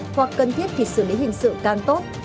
hoặc cần thiết thì xử lý hình sự càng tốt